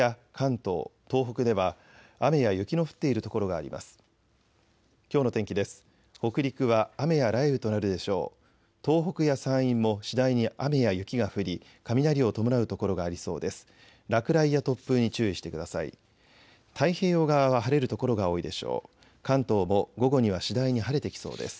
東北や山陰も次第に雨や雪が降り雷を伴う所がありそうです。